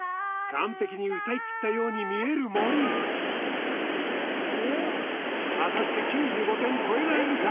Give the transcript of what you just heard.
完璧に歌いきったように見える森果たして９５点超えられるか？